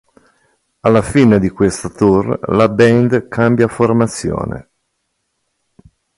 Alla fine di questo tour la band cambia formazione.